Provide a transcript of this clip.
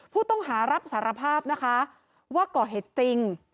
ผู้ต้องหารับสารภาพนะคะว่าก่อเหตุจริง